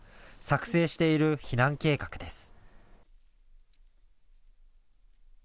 作成している避難計画です。